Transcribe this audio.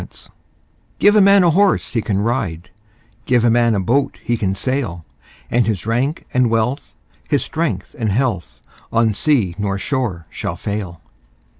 Gifts GIVE a man a horse he can ride, Give a man a boat he can sail; And his rank and wealth, his strength and health, On sea nor shore shall fail.